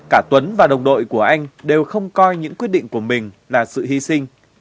cả tuấn và đồng đội của anh đều không coi những quyết định của mình là sự hy sinh